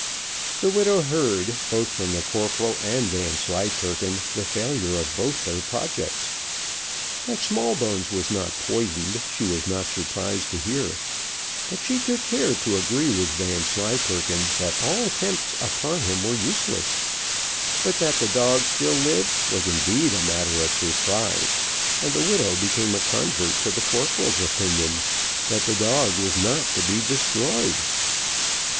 The widow heard, both from the corporal and Vanslyperken, the failure of both their projects. That Smallbones was not poisoned she was not surprised to hear, but she took care to agree with Vanslyperken that all attempts upon him were useless; but that the dog still lived was indeed a matter of surprise, and the widow became a convert to the corporal's opinion that the dog was not to be destroyed.